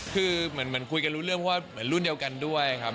คือเหมือนคุยกันรู้เรื่องว่าเหมือนรุ่นเดียวกันด้วยครับ